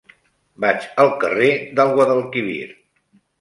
Vaig al carrer del Guadalquivir.